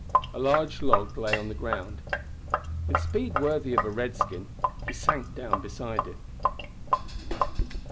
A large log lay on the ground. With speed worthy of a redskin he sank down beside it.